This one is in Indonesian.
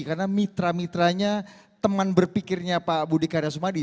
karena mitra mitranya teman berpikirnya pak budi karyasumadi